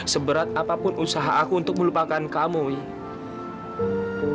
seberat apapun usaha aku untuk melupakan kamu